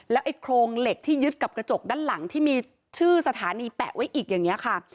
ไอ้โครงเหล็กที่ยึดกับกระจกด้านหลังที่มีชื่อสถานีแปะไว้อีกอย่างนี้ค่ะ